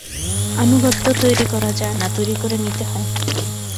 আনুগত্য তৈরি করা যায় না, তৈরি করে নিতে হয়।